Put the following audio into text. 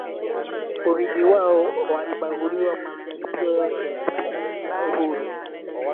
urithi wao walibaguliwa Majaribio yote ya kupigania uhuru